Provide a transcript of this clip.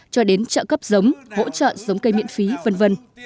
cho đến trợ cấp giống hỗ trợ giống cây miễn phí v v